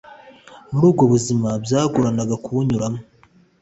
Muri ubwo buzima byagoranaga kubinyuramo